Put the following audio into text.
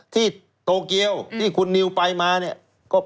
ที่โตเกียวที่คุณนิวไปมาเนี่ย